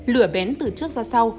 lửa bén từ trước ra sau